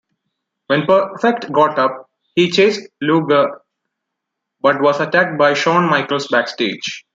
When Perfect got up, he chased Luger but was attacked by Shawn Michaels backstage.